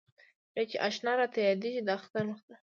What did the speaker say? بیا چې اشنا راته یادېږي د اختر مخه ده.